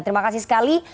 terima kasih sekali